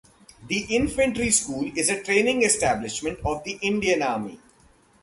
The Infantry School is a training establishment of the Indian Army.